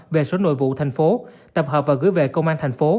về số nội vụ thành phố tập hợp và gửi về công an tp hcm